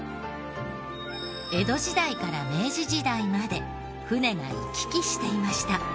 江戸時代から明治時代まで船が行き来していました。